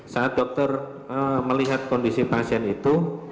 saat dokter melihat kondisi pasien itu